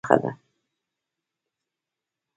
میلمنو ته میوه ایښودل د ادب برخه ده.